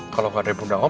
kalau nggak ada bundawang